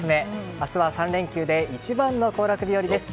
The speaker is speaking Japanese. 明日は３連休で一番の行楽日和です。